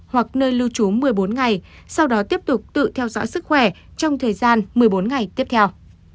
hoặc nơi lưu trú một mươi bốn ngày sau đó tiếp tục tự theo dõi sức khỏe trong thời gian một mươi bốn ngày tiếp theo